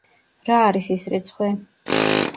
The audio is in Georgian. რა არის ის რიცხვი?